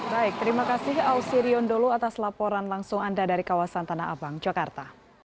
baik terima kasih ausirion dholu atas laporan langsung anda dari kawasan tanah abang jakarta